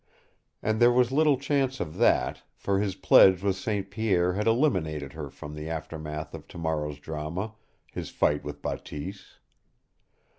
And there was little chance of that, for his pledge with St. Pierre had eliminated her from the aftermath of tomorrow's drama, his fight with Bateese.